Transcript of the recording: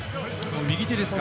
右手ですか。